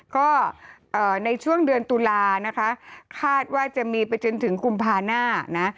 ก็ในช่วงเดือนตุลานะคะคาดว่าจะมีไปจนถึงกุมภาหน้านะ